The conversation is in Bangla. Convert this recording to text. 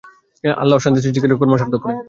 আল্লাহ অশান্তি সৃষ্টিকারীদের কর্ম সার্থক করেন না।